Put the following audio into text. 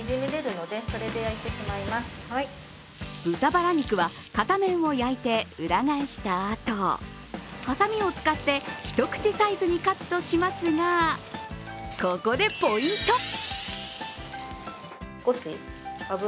豚バラ肉は、片面を焼いて裏返したあとはさみを使って一口サイズにカットしますがここでポイント。